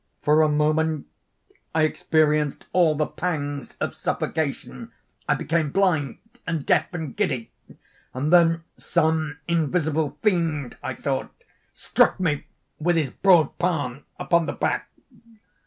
For a moment I experienced all the pangs of suffocation; I became blind, and deaf, and giddy; and then some invisible fiend, I thought, struck me with his broad palm upon the back.